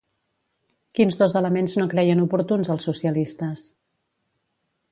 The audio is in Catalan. Quins dos elements no creien oportuns els socialistes?